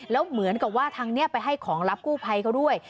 แล้วเหมือนกับว่าทางนี้ไปให้ของรับกู้ภัยเขาด้วย